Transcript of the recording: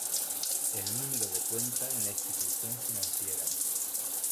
El número de cuenta en la institución financiera.